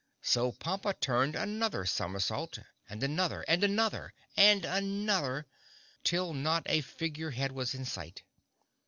So Pompa turned another somersault and another, and another, and another, till not a Figure Head was in sight.